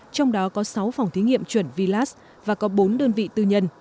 trong đó có sáu phòng thí nghiệm chuẩn vlas và có bốn đơn vị tư nhân